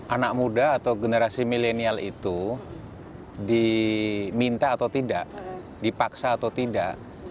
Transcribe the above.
anak muda atau generasi milenial itu diminta atau tidak dipaksa atau tidak